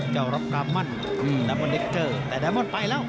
เจ้าร๊อบกามันลามอนเด็กเกอร์แต่ลามอนไปแล้ว